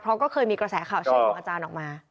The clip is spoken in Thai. เพราะก็เคยมีกระแสข่าวชื่อของอาจารย์ออกมา